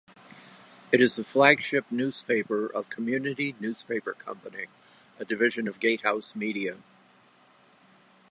It is the flagship newspaper of Community Newspaper Company, a division of GateHouse Media.